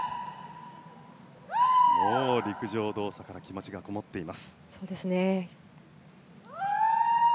もう陸上動作から気持ちがこもっています。